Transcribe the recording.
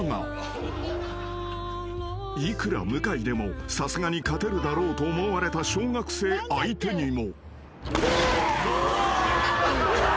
［いくら向井でもさすがに勝てるだろうと思われた小学生相手にも］